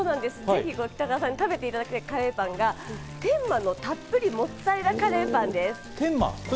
ぜひ、北川さんに食べていただきたいカレーパンが天馬のたっぷりモッツァレラカレーパンです。